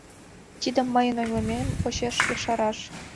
Тидым мыйын ойлымем почеш ешарыш.